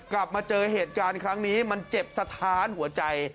กลับมาเจอเหตุการณ์ครั้งนี้มันเจ็บสะท้านหัวใจ